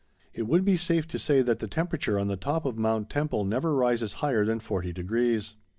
It would be safe to say that the temperature on the top of Mount Temple never rises higher than forty degrees.